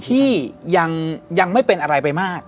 ที่ยังไม่เป็นอะไรไปมาก